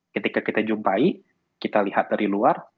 ketika kita jumpai kita lihat dari luar